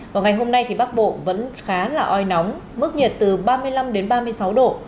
và ngày hôm nay thì bắc bộ vẫn khá là oi nóng mức nhiệt từ ba mươi năm đến ba mươi sáu độ